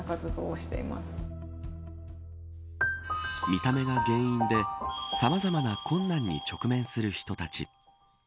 見た目が原因でさまざまな困難に直面する人たち。